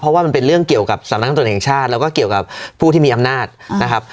เพราะว่ามันเป็นเรื่องเกี่ยวกับสำนักงานตรวจแห่งชาติแล้วก็เกี่ยวกับผู้ที่มีอำนาจนะครับ